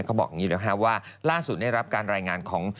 เขาบอกอย่างนี้นะคะว่าล่าสุดได้รับการรายงานของ